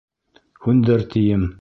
Һүндер, тием!